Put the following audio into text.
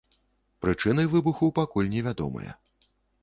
Прычыны выбуху пакуль невядомыя.